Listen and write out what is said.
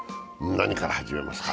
何から始めますか？